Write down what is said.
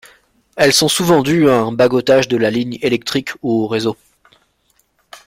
Elles sont souvent dues à un bagotage de la ligne électrique ou réseau.